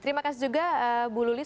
terima kasih juga bu lulis